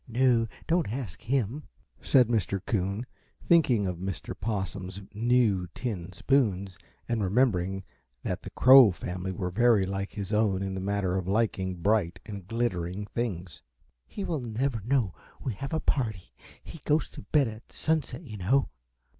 "No, don't ask him," said Mr. Coon, thinking of Mr. Possum's new tin spoons and remembering that the Crow family were very like his own in the matter of liking bright and glittering things. "He will never know we have a party. He goes to bed at sunset, you know."